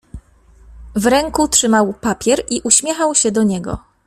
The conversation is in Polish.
"W ręku trzymał papier i uśmiechał się do niego."